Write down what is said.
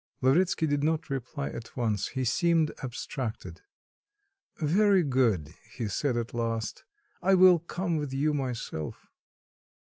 Lavretsky did not reply at once; he seemed abstracted. "Very good," he said at last; "I will come with you myself."